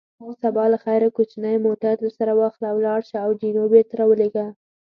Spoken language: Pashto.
سبا له خیره کوچنی موټر درسره واخله، ولاړ شه او جینو بېرته را ولېږه.